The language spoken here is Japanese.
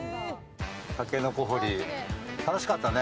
竹の子掘り、楽しかったね。